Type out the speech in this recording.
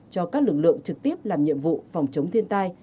cho các lực lượng trực tiếp làm nhiệm vụ phòng chống thiên tai